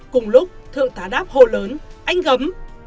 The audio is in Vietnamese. cùng lúc thượng tá đáp hồ lớn anh gấm